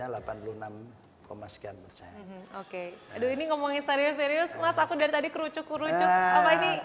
oke aduh ini ngomongin serius serius mas aku dari tadi kerucuk kerucuk apa ini